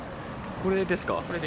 これです。